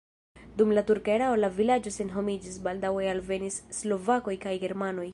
Dum la turka erao la vilaĝo senhomiĝis, baldaŭe alvenis slovakoj kaj germanoj.